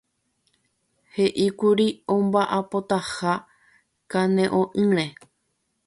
He'íkuri omba'apótaha kane'õ'ỹre.